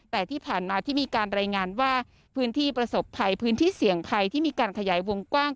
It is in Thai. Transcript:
แต่ที่ผ่านมาที่มีการรายงานว่าพื้นที่ประสบภัยพื้นที่เสี่ยงภัยที่มีการขยายวงกว้าง